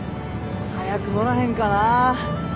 早く載らへんかな。